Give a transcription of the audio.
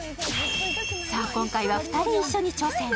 さあ今回は２人一緒に挑戦。